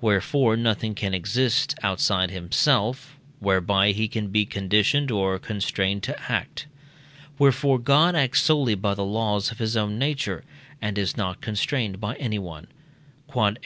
Wherefore nothing can exist; outside himself, whereby he can be conditioned or constrained to act. Wherefore God acts solely by the laws of his own nature, and is not constrained by anyone. Q.E.